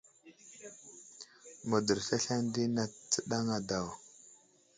Mədərəs aslane di nat tsənaŋ a daw.